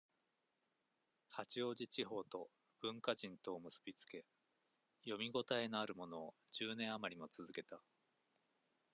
八王子地方と、文化人とを結びつけ、読みごたえのあるものを、十年余りも続けた。